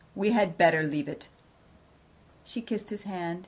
We had better leave it. " She kissed his hand.